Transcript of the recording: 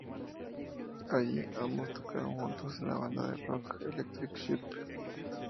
Allí, ambos tocaron juntos en la banda de rock Electric Sheep.